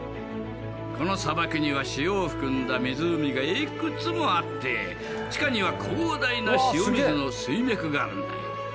この砂漠には塩を含んだ湖がいくつもあって地下には広大な塩水の水脈があるんだよ。